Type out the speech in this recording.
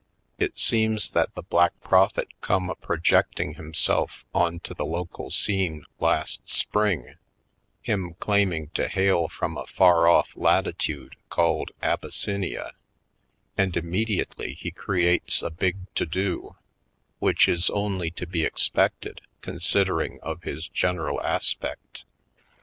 It seems that the Black Prophet come a projecting himself onto the local scene last spring, him claiming to hail from a far ofif latitude called Abyssinia, and immediately he creates a big to do, which is only to be expected considering of his general aspect.